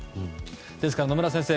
ですから野村先生